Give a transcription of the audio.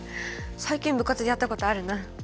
最近部活でやったことあるな。